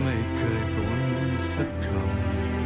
ไม่เคยบุญสักครั้ง